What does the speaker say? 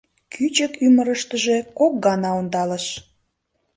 Кӱчык ӱмырыштыжӧ кок гана ондалыш.